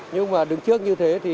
nhưng mà đứng trước như thế